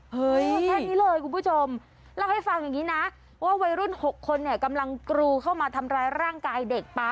แค่นี้เลยคุณผู้ชมเล่าให้ฟังอย่างนี้นะว่าวัยรุ่น๖คนเนี่ยกำลังกรูเข้ามาทำร้ายร่างกายเด็กปั๊ม